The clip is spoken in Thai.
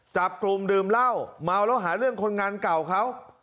จับกลุ่มดื่มเหล้าเมาแล้วหาเรื่องคนงานเก่าเขา